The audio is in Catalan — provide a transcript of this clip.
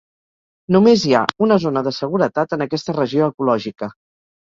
Només hi ha una zona de seguretat en aquesta regió ecològica.